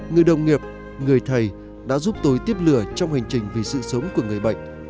người đồng nghiệp người thầy đã giúp tôi tiếp lửa trong hành trình vì sự sống của người bệnh